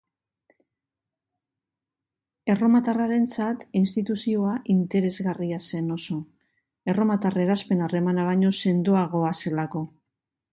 Erromatarrarentzat instituzioa interesgarria zen oso, erromatar eraspen-harremana baino sendoagoa zelako.